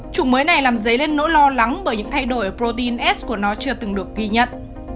chủng mới này làm dấy lên nỗi lo lắng bởi những thay đổi protein ais của nó chưa từng được ghi nhận